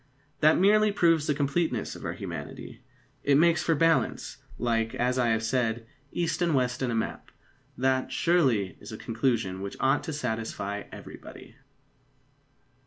That merely proves the completeness of our humanity. It makes for balance, like, as I have said, east and west in a map. That, surely, is a conclusion which ought to satisfy everybody.